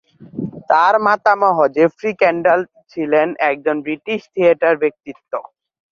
তাঁর মাতামহ Geoffrey Kendall ছিলেন একজন ব্রিটিশ থিয়েটার ব্যক্তিত্ব।